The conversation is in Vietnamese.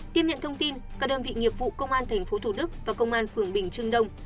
tiếp nhận thông tin các đơn vị nghiệp vụ công an tp thủ đức và công an phường bình trưng đông